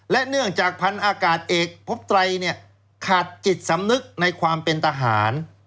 เนื่องจากพันอากาศเอกพบไตรขาดจิตสำนึกในความเป็นทหาร